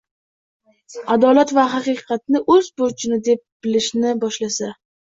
adolat va haqiqatni o‘z burchi deb bilishni boshlasa